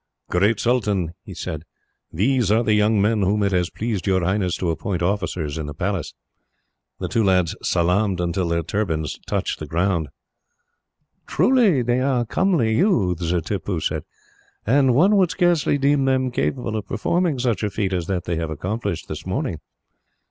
"Great Sultan," he said, "these are the young men whom it has pleased your Highness to appoint officers in the Palace." The two lads salaamed until their turbans touched the ground. "Truly they are comely youths," Tippoo said, "and one would scarcely deem them capable of performing such a feat as that they accomplished this morning.